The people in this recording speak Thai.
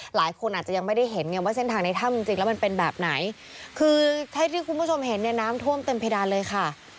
หลายคนอาจจะยังไม่ได้เห็นไงว่าเส้นทางในถ้ำจริงจริงแล้วมันเป็นแบบไหนคือเท่าที่คุณผู้ชมเห็นเนี่ยน้ำท่วมเต็มเพดานเลยค่ะ